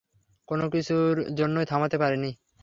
কোনকিছুর জন্যই থামতে পারিনি।